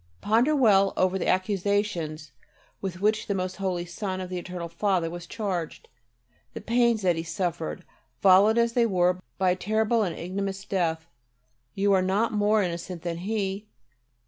Ponder well over the accusations with which the most holy Son of the Eternal Father was charged, the pains that He suffered, followed as they were by a terrible and ignominious death. You are not more innocent than He.